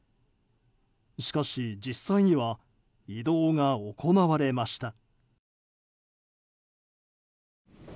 しかし実際には移動が行われました。